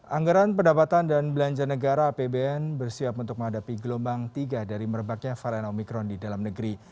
anggaran pendapatan dan belanja negara apbn bersiap untuk menghadapi gelombang tiga dari merebaknya varian omikron di dalam negeri